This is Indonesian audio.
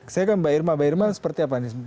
saya ke mbak irma mbak irma seperti apa nih